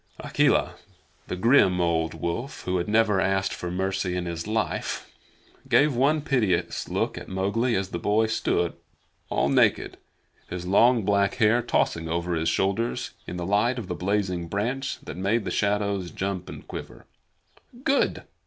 Akela, the grim old wolf who had never asked for mercy in his life, gave one piteous look at Mowgli as the boy stood all naked, his long black hair tossing over his shoulders in the light of the blazing branch that made the shadows jump and quiver. "Good!"